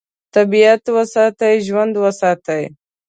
طبیعت وساتئ، ژوند وساتئ.